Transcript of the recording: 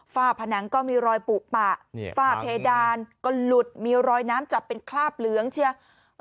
ฝนังก็มีรอยปุปะฝ้าเพดานก็หลุดมีรอยน้ำจับเป็นคราบเหลืองเชียว